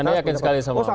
anda yakin sekali sama